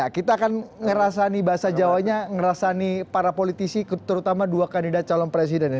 kita akan ngerasani bahasa jawanya ngerasani para politisi terutama dua kandidat calon presiden